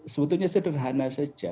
sebetulnya sederhana saja